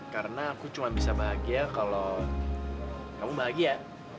karena aku cuma bisa bahagia kalau kamu bahagia